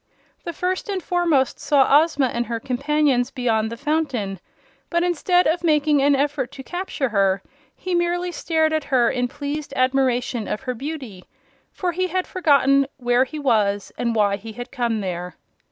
The First and Foremost saw Ozma and her companions beyond the fountain, but instead of making an effort to capture her he merely stared at her in pleased admiration of her beauty for he had forgotten where he was and why he had come there.